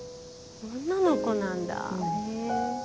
女の子なんだへぇ。